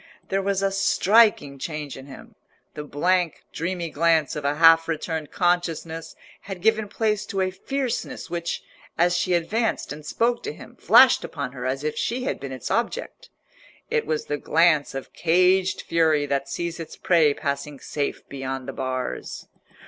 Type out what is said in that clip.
There was a striking change in him: the blank, dreamy glance of a half returned consciousness had given place to a fierceness which, as she advanced and spoke to him, flashed upon her as if she had been its object. It was the glance of caged fury that sees its prey passing safe beyond the bars.